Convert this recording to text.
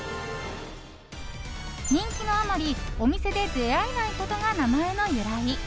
人気のあまりお店で出会えないことが名前の由来。